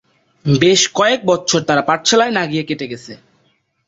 বেশ কয়েক বৎসর তার পাঠশালায় না গিয়ে কেটে গেছে।